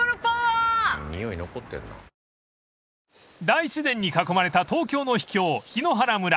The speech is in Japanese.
［大自然に囲まれた東京の秘境檜原村］